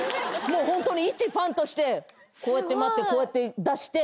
もうホントにいちファンとしてこうやって待ってこうやって出して。